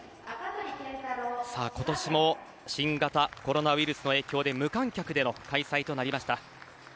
今年も新型コロナウイルスの影響で無観客での開催となりました。